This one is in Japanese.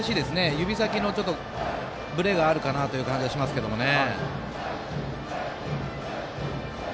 指先のブレがあるかなという感じがしますね。